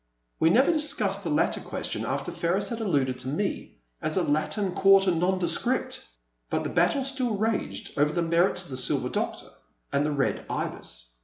'* We never discussed the latter question after Penis had alluded to me as a '' Latin Quarter Nondescript,'* but the battle still raged over the merits of the Silver Doctor and the Red Ibis.